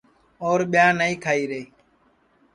اور ٻیاں نائی کھائی رے